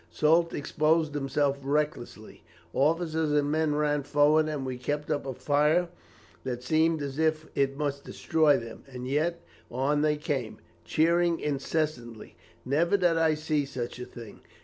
Soult exposed himself recklessly. Officers and men ran forward, and we kept up a fire that seemed as if it must destroy them, and yet on they came, cheering incessantly. Never did I see such a thing.